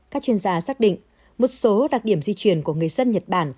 các chuyên gia xác định một số đặc điểm di chuyển của người dân nhật bản